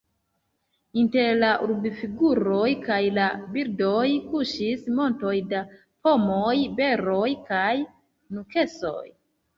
Inter la urbfiguroj kaj la birdoj kuŝis montoj da pomoj, beroj kaj nuksoj.